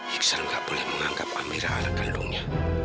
iksan tidak boleh menganggap amirah anak kandungnya